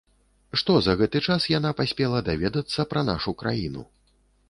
Што за гэты час яна паспела даведацца пра нашу краіну?